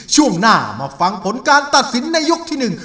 ช่วงหน้ามาฟังผลการตัดสินในยกที่หนึ่ง